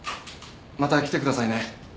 また来てくださいね。